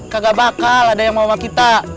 kagak bakal ada yang mau sama kita